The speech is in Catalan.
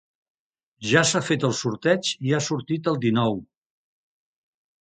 Ja s'ha fet el sorteig i ha sortit el dinou.